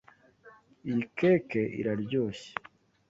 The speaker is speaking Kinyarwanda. Iyi keke iraryoshye.